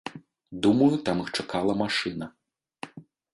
Думаю, там іх чакала машына.